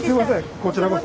こちらこそ。